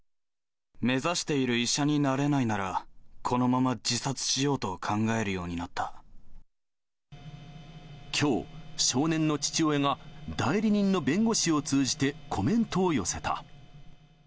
目指している医者になれないなら、このまま自殺しようと考えるようきょう、少年の父親が、代理人の弁護士を通じて、コメントを寄せた。